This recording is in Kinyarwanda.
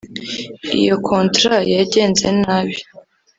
iyo contract yagenze nabi